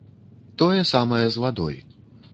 Тое самае з вадой.